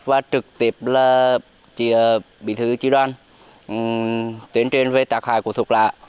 và trực tiếp là bị thư chi đoan tuyến truyền về tác hại của thuốc lá